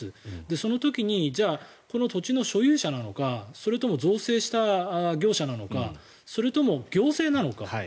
その時にこの土地の所有者なのかそれとも造成した業者なのかそれとも、行政なのか。